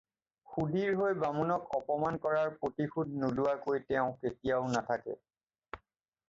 শূদিৰ হৈ বামুণক অপমান কৰাৰ প্ৰতিশোধ নোলোৱাকৈ তেওঁ কেতিয়াও নাথাকে।